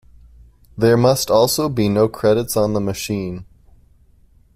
There must also be no credits on the machine.